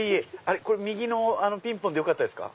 右のピンポンでよかったですか？